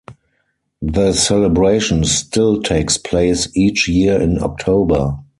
The celebration still takes place each year in October.